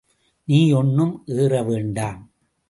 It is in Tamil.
நீ ஒண்ணும் ஏற வேண்டாம்.